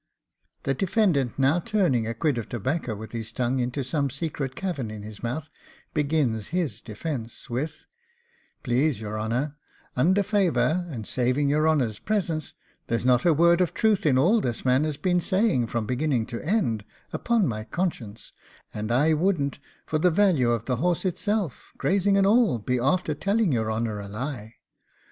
The defendant now turning a quid of tobacco with his tongue into some secret cavern in his mouth, begins his defence with 'Please your honour, under favour, and saving your honour's presence, there's not a word of truth in all this man has been saying from beginning to end, upon my conscience, and I wouldn't for the value of the horse itself, grazing and all, be after telling your honour a lie.